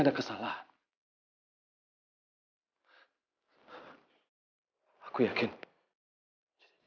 pergi dari sini